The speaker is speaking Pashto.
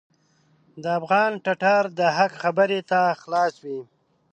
د افغان ټټر د حق خبرې ته خلاص وي.